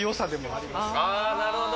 なるほど。